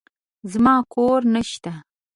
زما کور نشته.